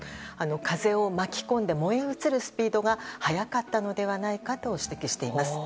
風を巻き込んで燃え移るスピードが速かったのではないかと指摘してます。